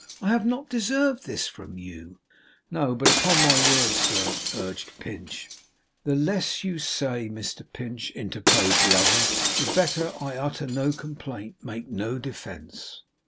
I have not deserved this from you!' 'No, but upon my word, sir ' urged Pinch. 'The less you say, Mr Pinch,' interposed the other, 'the better. I utter no complaint. Make no defence.